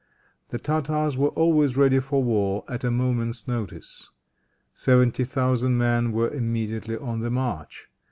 The Tartars were always ready for war at a moment's notice. Seventy thousand men were immediately on the march.